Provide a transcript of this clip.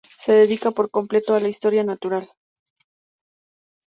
Se dedica por completo a la Historia natural.